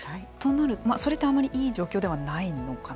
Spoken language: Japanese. それってあまりいい状況ではないのかな。